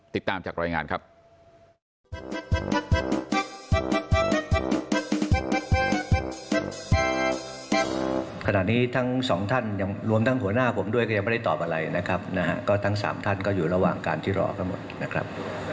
ติดตามจากรายงานครับ